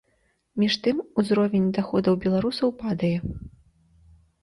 Між тым, узровень даходаў беларусаў падае.